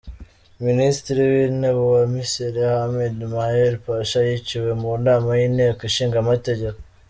Minisitiri w’intebe wa Misiri Ahmed Maher Pasha yiciwe mu nama y’inteko ishingamategeko.